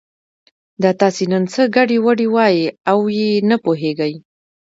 دا تاسې نن څه ګډې وډې وایئ او یې نه پوهېږي.